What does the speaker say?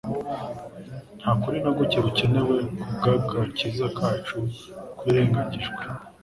Nta kuri na guke gukenewe kubw'agakiza kacu kwirengagijwe,